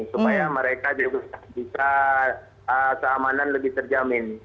supaya mereka juga bisa keamanan lebih terjamin